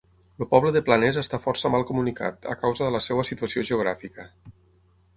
El poble de Planès està força mal comunicat, a causa de la seva situació geogràfica.